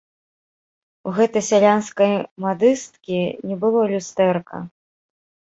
У гэтай сялянскай мадысткі не было люстэрка.